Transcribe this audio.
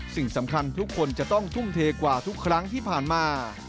สิ่งสำคัญทุกคนจะต้องทุ่มเทกว่าทุกครั้งที่ผ่านมา